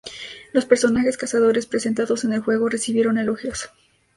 Los personajes Cazadores presentados en el juego recibieron elogios.